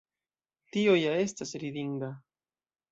Tio ja estas ridinda!